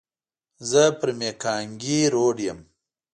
زه پر مېکانګي روډ یم.